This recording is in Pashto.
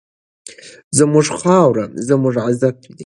زموږ خاوره زموږ عزت دی.